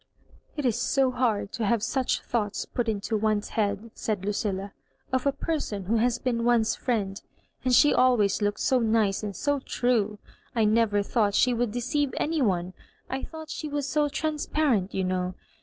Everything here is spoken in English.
" It is so hard to have such thoughts put into one^s head," said Lucilla, "«f a person who has bean one^s friend. And she always looked so nice and so true I I never thought she would deceive any one. ' I thought she was so transpa rent, you know.